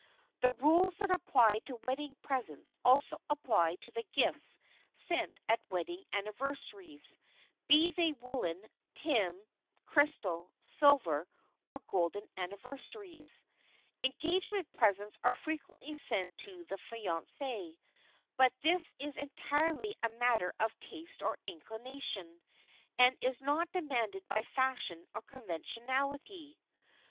The rules that apply to wedding presents apply also to the gifts sent at wedding anniversaries, be they wooden, tin, crystal, silver or golden anniversaries. [Sidenote: ENGAGEMENT GIFTS] Engagement presents are frequently sent to the fiancée, but this is entirely a matter of taste or inclination, and is not demanded by fashion or conventionality.